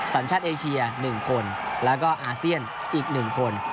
สัญชาติเอเชีย๑คนแล้วก็อาเซียนอีก๑คน